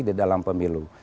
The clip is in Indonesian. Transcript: di dalam pemilu